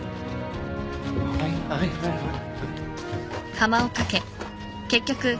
はいはいはいはい。